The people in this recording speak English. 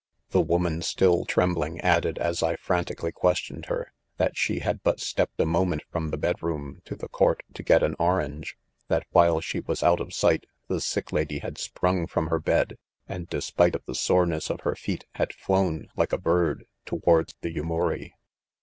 "The woman, still trembling, added, as I frantically questioned her, that she had but stepped a moment from the bed iQom to the court to get an orange — that while she was out erf 'sight, the sick lady had sprung from' her bed, and despite of the soreness of her feet, had flown, like 'a bird, towards the Yumu ri.